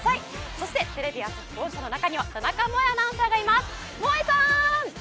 そして、テレビ朝日本社の中には田中萌アナウンサーがいます萌さん！